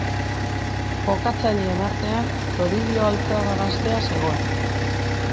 Jokatzaileen artean, Toribio Altzaga gaztea zegoen.